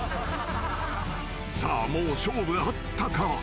［さあもう勝負あったか］